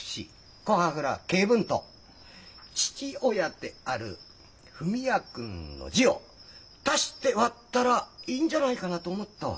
古波蔵恵文と父親である文也君の字を足して割ったらいいんじゃないかなと思ったわけ。